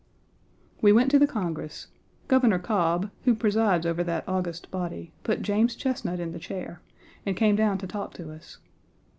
We went to the Congress. Governor Cobb, who presides Page 19 over that august body, put James Chesnut in the chair, and came down to talk to us.